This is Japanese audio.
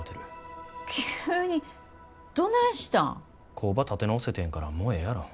工場立て直せてんやからもうええやろ。